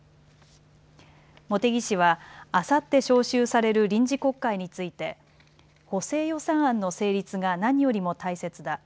茂木氏は、あさって召集される臨時国会について補正予算案の成立が何よりも大切だ。